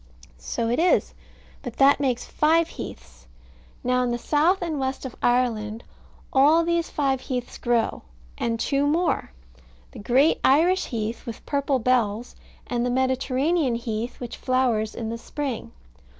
So it is: but that makes five heaths. Now in the south and west of Ireland all these five heaths grow, and two more: the great Irish heath, with purple bells, and the Mediterranean heath, which flowers in spring.